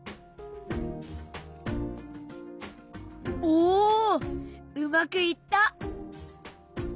おうまくいった。